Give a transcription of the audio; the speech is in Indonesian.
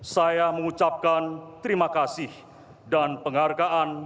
saya mengucapkan terima kasih dan penghargaan